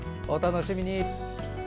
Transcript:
お楽しみに。